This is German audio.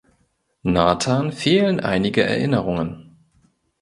Nathan fehlen einige Erinnerungen.